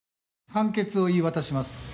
判決を言い渡します。